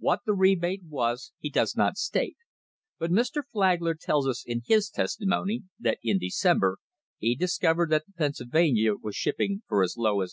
What the rebate was he does not state, but Mr. Flagler tells us in his testimony * that in December he discovered that the Penn sylvania was shipping for as low as $1.